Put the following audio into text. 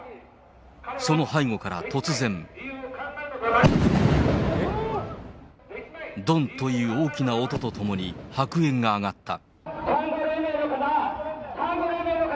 その背後から突然、どん、という大きな音とともに白煙が上がった。